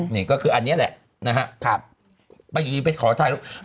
นี่ก็คือปฐิกรรมอันนั้นแหละ